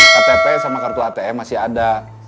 ktp sama kartu atm masih ada